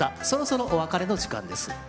そろそろお別れの時間です。